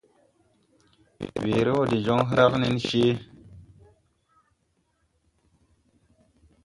Weere wɔ de joŋ hragge nencee.